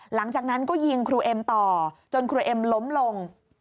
หลังจากนั้นก็ยิงครูเอ็มต่อจนครูเอ็มล้มลง